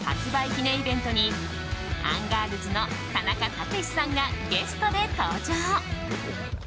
記念イベントにアンガールズの田中卓志さんがゲストで登場。